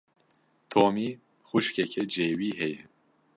Tomî xwişkeke cêwî heye.